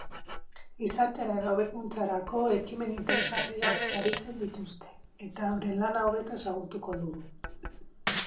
Gizartearen hobekuntzarako ekimen interesgarriak saritzen dituzte, eta euren lana hobeto ezagutuko dugu.